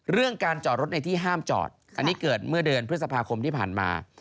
เรื่องการจอดรถในที่ห้ามจอดอันนี้เกิดเมื่อเดือนพฤษภาคมที่ผ่านมา